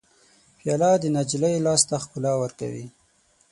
پیاله د نجلۍ لاس ته ښکلا ورکوي.